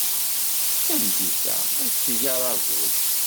Tameddit-a, ad d-teg aṛabul.